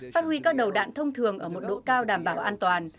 phát huy các đầu đạn thông thường ở một độ cao đảm bảo an toàn